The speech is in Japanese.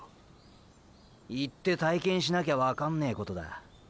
行って体験しなきゃワカンねェことだ。